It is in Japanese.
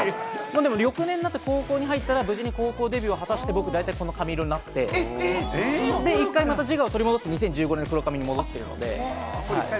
翌年になって、高校に入ったら無事に高校デビュー果たして、大体この髪色になって、一回また自我を取り戻して、２０１５年、黒髪になってます。